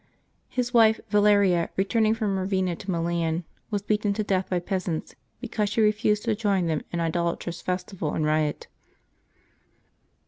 His wife, Valeria, returning from Eavenna to Milan, was beaten to death by peasants, because she refused to join them in an idolatrous festival and riot.